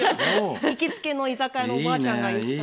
行きつけの居酒屋のおばあちゃんが言ってました。